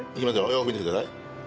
よーく見ててください。